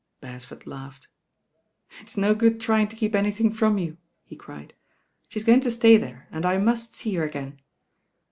Beresford laughed. "It's no good trying to keep anythmg from you," he cried. "She's going to stay there, and I must see her again.